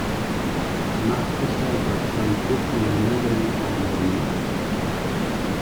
The match was centered around both men maneuvering around on the mat.